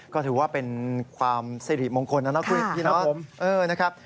ก็ถือว่าเป็นความสิริมงคลนะครับคุณพี่นอท